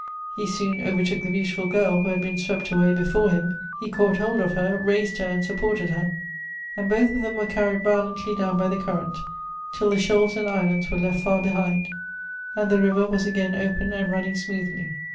He soon overtook the beautiful girl, who had been swept away before him ; he caught hold of her, raised her and supported lier, and both of them were carried violently down by the cuirent, till the shoals and islands were left far behind, and the river was again open and running smoothly.